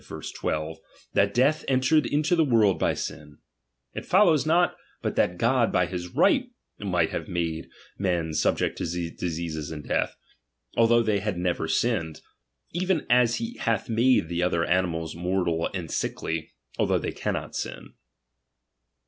12), that death entered into the world hy sin : it follows not but that God by bis right might have made men subject to diseases and death, although they had never sinned ; even as he hath made the other animals mortal and sickly, although they cannot RELIGION.